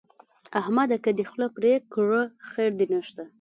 احمد ده که دې خوله پرې کړه؛ خير دې نه شته.